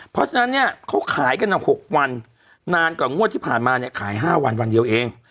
เพราะฉะนั้นเนี่ยเขาขายกัน๖วันนานกว่างวดที่ผ่านมาเนี่ยขาย๕วันวันเดียวเอง